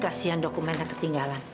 kasian dokumennya ketinggalan